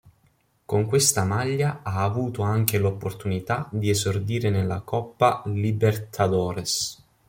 Con questa maglia ha avuto anche l'opportunità di esordire nella Coppa Libertadores.